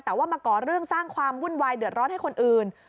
แต่ว่ามาก่อเรื่องสร้างความวุ่นวายเดือดร้อนให้คนอื่น